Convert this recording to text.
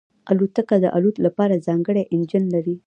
الوتکه د الوت لپاره ځانګړی انجن لري.